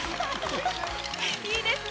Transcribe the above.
いいですね。